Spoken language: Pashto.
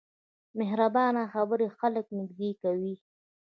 مهربانه خبرې خلک نږدې کوي.